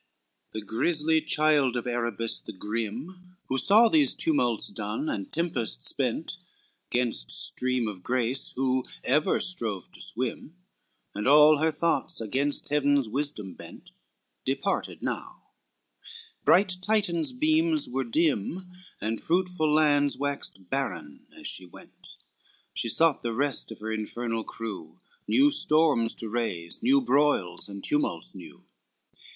I The grisly child of Erebus the grim, Who saw these tumults done and tempest spent, Gainst stream of grace who ever strove to swim And all her thoughts against Heaven's wisdom bent, Departed now, bright Titan's beams were dim And fruitful lands waxed barren as she went. She sought the rest of her infernal crew, New storms to raise, new broils, and tumults new.